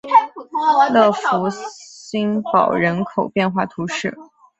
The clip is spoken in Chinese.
勒福新堡人口变化图示